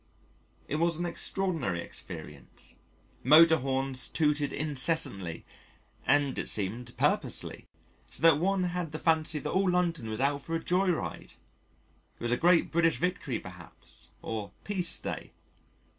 It was an extraordinary experience: motor horns tooted incessantly and it seemed purposelessly, so that one had the fancy that all London was out for a joy ride it was a great British Victory perhaps, or Peace Day.